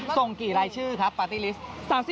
ส่งกี่รายชื่อครับปาร์ตี้ลิสต์